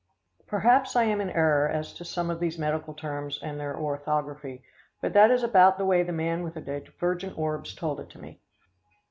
Perhaps I am in error as to some of these medical terms and their orthography, but that is about the way the man with the divergent orbs told it to me.